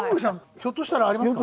ひょっとしたらありますか？